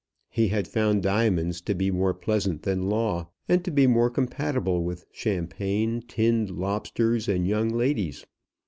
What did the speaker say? He had found diamonds to be more pleasant than law, and to be more compatible with champagne, tinned lobsters, and young ladies.